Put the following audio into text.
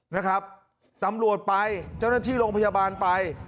นะครับตำรวจไปเจ้าหน้าที่โรงพยาบาลไป